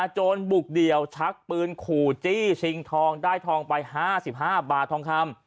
โจรบุกเดี่ยวชักปืนขู่จี้ชิงทองได้ทองไป๕๕บาททองคำ